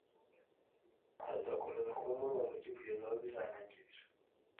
Azakomeze kuba muri uwo mugi kugeza aho bizarangirira